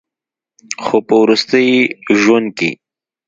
خو پۀ وروستي ژوند کښې